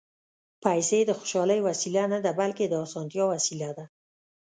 پېسې د خوشالۍ وسیله نه ده، بلکې د اسانتیا وسیله ده.